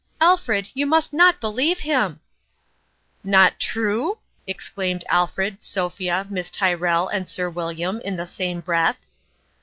" Alfred, you must not believe him !"" Not true f " exclaimed Alfred, Sophia, Miss Tyrrell, and Sir William, in the same breath.